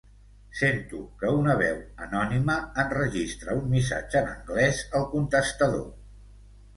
Sento que una veu anònima enregistra un missatge en anglès al contestador.